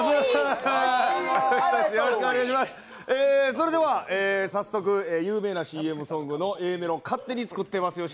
それでは早速有名なＣＭソングのＡメロ勝手に作ってますよ